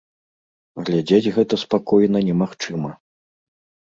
Глядзець гэта спакойна немагчыма.